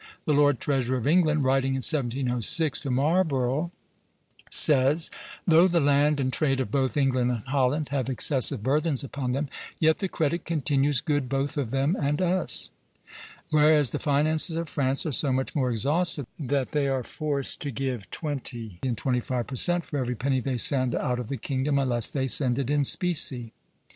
The Lord Treasurer of England, writing in 1706 to Marlborough, says: "Though the land and trade of both England and Holland have excessive burthens upon them, yet the credit continues good both of them and us; whereas the finances of France are so much more exhausted that they are forced to give twenty and twenty five per cent for every penny they send out of the kingdom, unless they send it in specie."